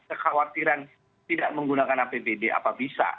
kekhawatiran tidak menggunakan apbd apa bisa